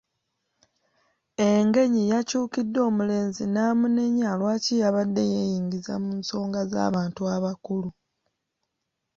Engenyi yakyukidde omulenzi n'amunenya lwaki yabadde yeeyingiza mu nsonga z'abantu abakulu.